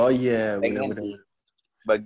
oh iya bener bener